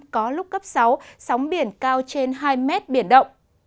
có lúc cấp sáu sóng biển cao trên hai mét biển động